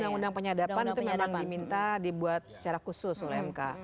undang undang penyadapan itu memang diminta dibuat secara khusus oleh mk